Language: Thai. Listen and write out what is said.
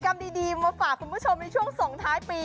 กรรมดีมาฝากคุณผู้ชมในช่วงส่งท้ายปี